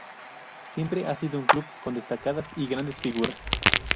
Siempre ha sido un club con destacadas y grandes figuras.